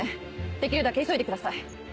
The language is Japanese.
できるだけ急いでください。